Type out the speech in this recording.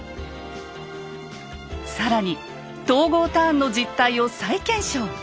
更に東郷ターンの実態を再検証。